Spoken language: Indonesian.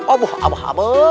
abuh abuh abuh